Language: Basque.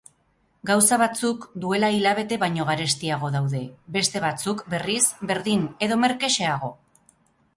Gauza batzuk duela hilabete baino garestiago daude; beste batzuk, berriz, berdin, edo merkexeago.